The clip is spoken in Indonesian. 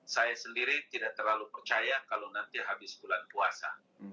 saya sendiri tidak terlalu percaya kalau nanti habis bulan puasa